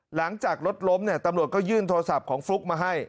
หลังจากรถล้มเนี่ยตำรวจก็ยื่นโทรศัพท์ของฟลุ๊กมาให้